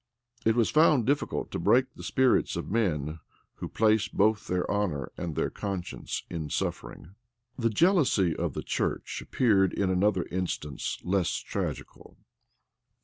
[*] It was found difficult to break the spirits of men who placed both their honor and their conscience in suffering. The jealousy of the church appeared in another instance less tragical.